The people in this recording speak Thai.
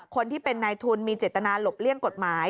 คนที่เป็นนายทุนมีเจตนาหลบเลี่ยงกฎหมาย